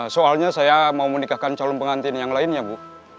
soalnya saya mau menikahkan calon pengantin yang lainnya bu